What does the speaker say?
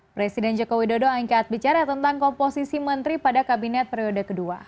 presiden joko widodo angkat bicara tentang komposisi menteri pada kabinet periode kedua